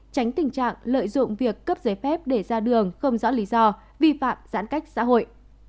tránh tình trạng lợi dụng việc cấp giấy phép để ra đường không rõ lý do vi phạm giãn cách xã hội